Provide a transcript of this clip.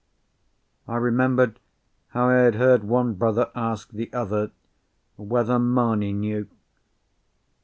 I remembered how I had heard one brother ask the other whether Mamie knew.